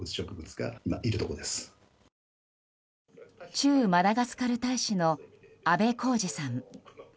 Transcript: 駐マダガスカル大使の阿部康次さん。